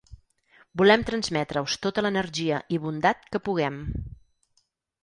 Volem transmetre-us tota l’energia i bondat que puguem.